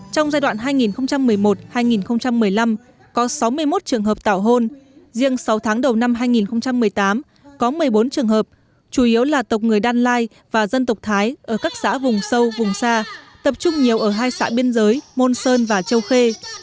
trong giai đoạn hai nghìn một mươi một hai nghìn một mươi năm có sáu mươi một trường hợp tảo hôn riêng sáu tháng đầu năm hai nghìn một mươi tám có một mươi bốn trường hợp chủ yếu là tộc người đan lai và dân tộc thái ở các xã vùng sâu vùng xa tập trung nhiều ở hai xã biên giới môn sơn và châu khê